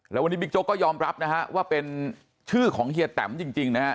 แล้ววันนี้บิ๊กโจ๊กก็ยอมรับนะฮะว่าเป็นชื่อของเฮียแตมจริงนะฮะ